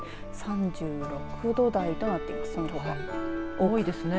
多いですね。